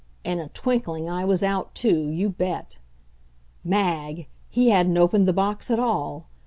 In a twinkling I was out, too, you bet. Mag! He hadn't opened the box at all!